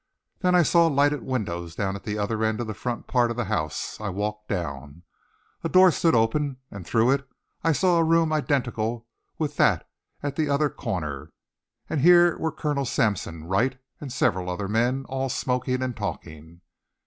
Then I saw lighted windows down at the other end of the front part of the house. I walked down. A door stood open and through it I saw a room identical with that at the other corner; and here were Colonel Sampson, Wright, and several other men, all smoking and talking.